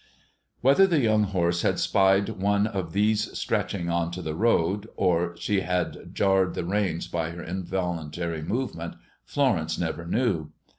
Whether the young horse had spied one of these stretching into the road, or she had jarred the reins by her involuntary movement, Florence never knew.